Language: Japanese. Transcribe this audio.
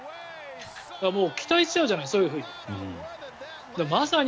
期待しちゃうじゃないそういうふうに。